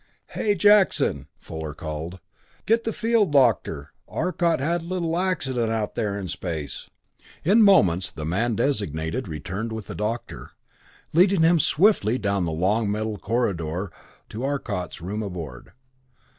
"Hey, Jackson," Fuller called, "get the field doctor Arcot had a little accident out there in space!" In moments the man designated returned with the doctor, leading him swiftly down the long metal corridor of the Solarite to Arcot's room aboard.